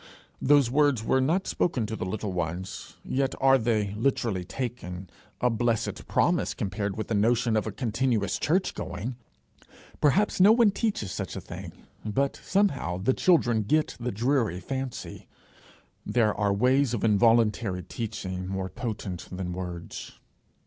Those words were not spoken to the little ones. Yet are they, literally taken, a blessed promise compared with the notion of a continuous church going! Perhaps no one teaches such a thing; but somehow the children get the dreary fancy: there are ways of involuntary teaching more potent than words.